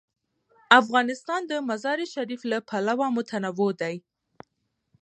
افغانستان د مزارشریف له پلوه متنوع دی.